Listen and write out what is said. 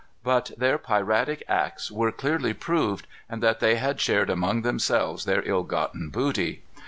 But their piratic acts were clearly proved, and that they had shared among themselves their ill gotten booty.